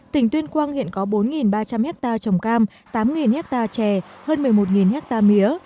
tỉnh tuyên quang hiện có bốn ba trăm linh hectare trồng cam tám hectare trè hơn một mươi một hectare mía